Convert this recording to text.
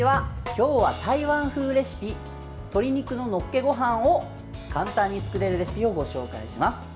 今日は台湾風レシピ鶏肉ののっけごはんを簡単に作れるレシピをご紹介します。